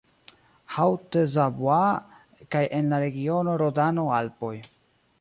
Haute-Savoie kaj en la regiono Rodano-Alpoj.